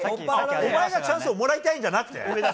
お前がチャンスをもらいたいんじゃなくて？